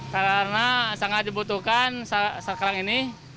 karena sangat dibutuhkan sekarang ini